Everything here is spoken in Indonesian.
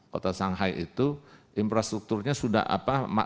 kota shanghai itu infrastrukturnya sudah apa